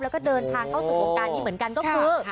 แล้วก็เดินทางเข้าสู่วงการนี้เหมือนกันก็คือ